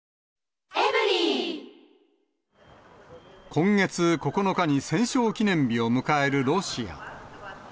今月９日に戦勝記念日を迎えるロシア。